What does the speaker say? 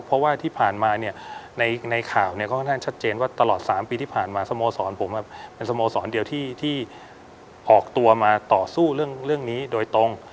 เพราะว่าที่ผ่านมาในข่าวก็ค่อนข้างชัดเจนว่าตลอด๓ปีที่ผ่านมาสโมสรผมเป็นสโมสรเดียวที่ออกตัวมาต่อสู้เรื่องนี้โดยตรง